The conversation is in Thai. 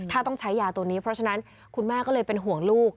ถ้าต้องใช้ยาตัวนี้เพราะฉะนั้นคุณแม่ก็เลยเป็นห่วงลูก